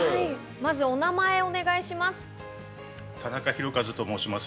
まず、お名前をお願いします。